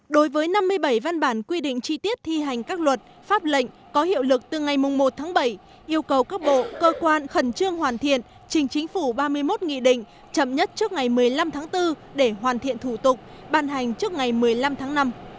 đối với năm mươi bảy văn bản quy định chi tiết thi hành các luật pháp lệnh có hiệu lực từ ngày một tháng bảy yêu cầu các bộ cơ quan khẩn trương hoàn thiện trình chính phủ ba mươi một nghị định chậm nhất trước ngày một mươi năm tháng bốn để hoàn thiện thủ tục ban hành trước ngày một mươi năm tháng năm